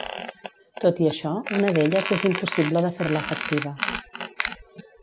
Tot i això una d'elles és impossible de fer-la efectiva.